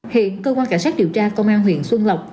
hiện cơ quan cảnh sát điều tra công an huyện xuân lộc